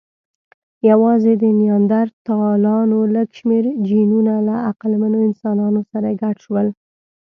یواځې د نیاندرتالانو لږ شمېر جینونه له عقلمنو انسانانو سره ګډ شول.